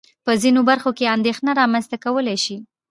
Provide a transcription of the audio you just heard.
په ځينو برخو کې اندېښنه رامنځته کولای شي.